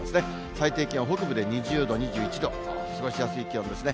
最低気温は北部で２０度、２１度、過ごしやすい気温ですね。